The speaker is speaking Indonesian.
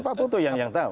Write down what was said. pak butuh yang tahu